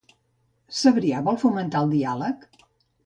Sabrià vol fomentar el diàleg?